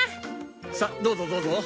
さあどうぞどうぞ。